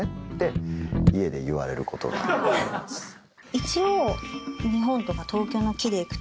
一応。